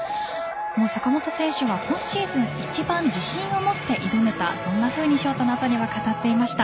坂本選手は今シーズン一番自信を持って挑めたそんなふうにショートの後には語っていました。